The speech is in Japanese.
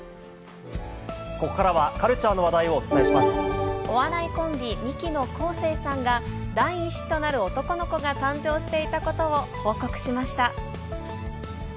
ここからはカルチャーの話題お笑いコンビ、ミキの昴生さんが、第１子となる男の子が誕生していたことを報告しました。